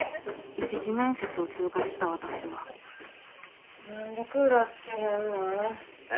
一次面接を通過したわたしは何でクーラーつけへんの？え？